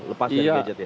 lepas dari gadgetnya